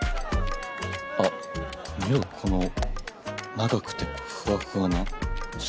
あっ見ろよこの長くてふわふわな尻尾。